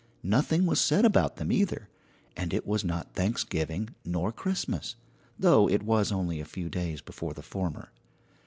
Nothing was said about them, either, and it was not Thanksgiving nor Christmas, though it was only a few days before the former.